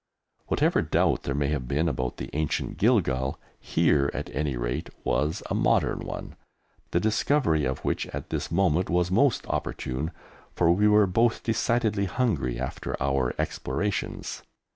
Whatever doubt there may have been about the ancient Gilgal, here at any rate was a modern one, the discovery of which at this moment was most opportune, for we were both decidedly hungry after our explorations.